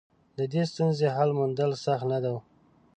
د دې ستونزې حل موندل سخت نه و.